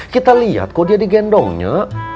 kita lihat kok dia di gendongnya